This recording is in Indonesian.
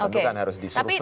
tentu kan harus disurvey